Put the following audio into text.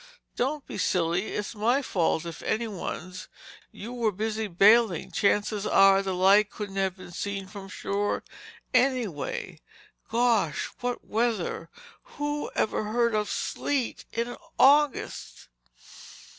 "Don't be silly! It was my fault, if anyone's. You were busy bailing. Chances are the light couldn't have been seen from shore, anyway. Gosh, what weather! Who ever heard of sleet in August!"